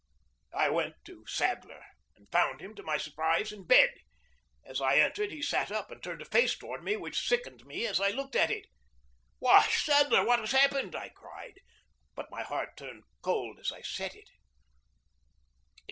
I went to Sadler and found him, to my surprise, in bed. As I entered he sat up and turned a face toward me which sickened me as I looked at it. "Why, Sadler, what has happened?" I cried, but my heart turned cold as I said it.